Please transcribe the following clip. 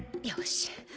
よし。